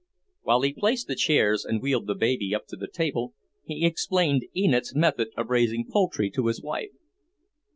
While he placed the chairs and wheeled the baby up to the table, he explained Enid's method of raising poultry to his wife.